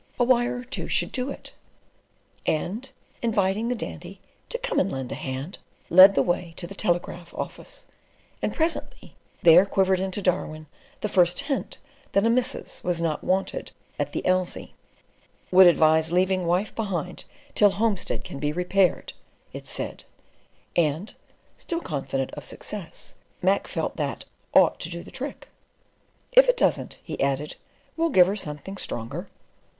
"A wire or two should do it"; and, inviting the Dandy "to come and lend a hand," led the way to the telegraph office; and presently there quivered into Darwin the first hint that a missus was not wanted at the Elsey. "Would advise leaving wife behind till homestead can be repaired," it said; and, still confident of success, Mac felt that "ought to do the trick." "If it doesn't," he added, "we'll give her something stronger."